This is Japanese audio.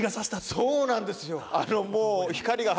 そうなんですよ。